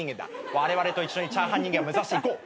われわれと一緒にチャーハン人間を目指していこう。